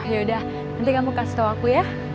yaudah nanti kamu kasih tahu aku ya